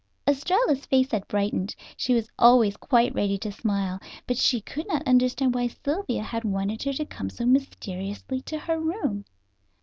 Estralla's face had brightened. She was always quite ready to smile, but she could not understand why Sylvia had wanted her to come so mysteriously to her room.